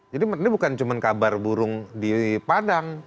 jadi ini bukan cuma kabar burung di padang